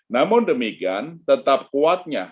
namun demikian tetap kuatnya